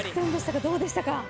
どうでしたか？